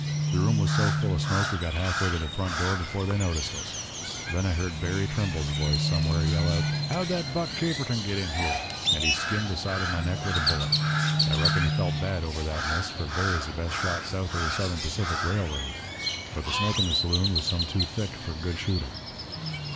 The room was so full of smoke we got half way to the front door before they noticed us. Then I heard Berry Trimble's voice somewhere yell out: "'How'd that Buck Caperton get in here?' and he skinned the side of my neck with a bullet. I reckon he felt bad over that miss, for Berry's the best shot south of the Southern Pacific Railroad. But the smoke in the saloon was some too thick for good shooting.